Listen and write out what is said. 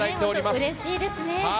本当、うれしいですね。